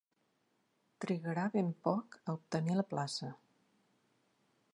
Trigarà ben poc a obtenir la plaça.